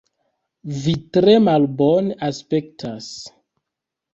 Vi tre malbone aspektas.